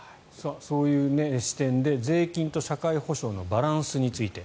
そういう視点で税金と社会保障のバランスについて。